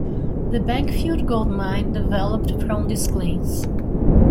The Bankfield Gold Mine developed from these claims.